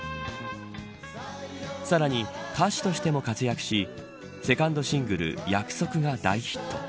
さらに、歌手としても活躍しセカンドシングル約束が大ヒット。